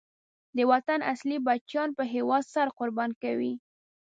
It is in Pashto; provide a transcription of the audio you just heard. د وطن اصلی بچیان په هېواد سر قربان کوي.